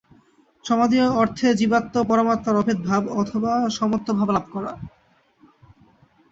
সমাধি-অর্থে জীবাত্মা ও পরমাত্মার অভেদভাব, অথবা সমত্বভাব লাভ করা।